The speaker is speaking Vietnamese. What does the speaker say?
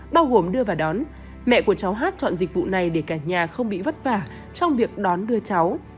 bao gồm đưa vào đón mẹ của cháu hát chọn dịch vụ này để cả nhà không bị vất vả trong việc đón đưa cháu